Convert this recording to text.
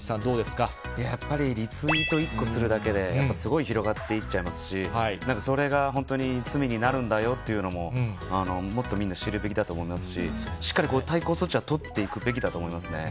やっぱりリツイート１個するだけで、やっぱりすごい広がっていっちゃいますし、なんかそれが本当に罪になるんだよというのも、もっとみんな知るべきだと思いますし、しっかり対抗措置は取っていくべきだと思いますね。